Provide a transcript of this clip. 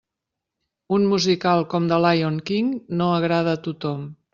Un musical com The Lyon King no agrada a tothom.